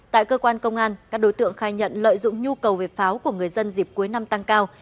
tại cơ quan công an các đối tượng khai nhận lợi dụng nhu cầu về pháo của người dân dịp cuối năm tăng cao